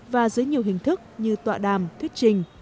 và dưới nhiều hình thức như tọa đàm thuyết trình